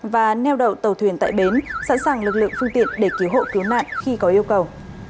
và neo đậu tàu thuyền tại bến sẵn sàng lực lượng phương tiện để cứu hộ cứu nạn khi có yêu cầu